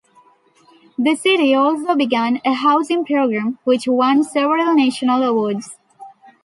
The city also began a housing program which won several national awards.